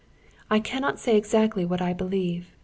I cannot say exactly what I believe.